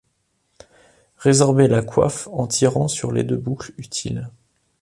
Résorber la coiffe en tirant sur les deux boucles utiles.